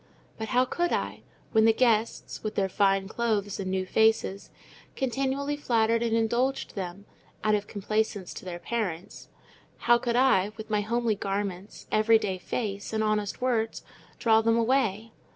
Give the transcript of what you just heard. But how could I—when the guests, with their fine clothes and new faces, continually flattered and indulged them, out of complaisance to their parents—how could I, with my homely garments, every day face, and honest words, draw them away?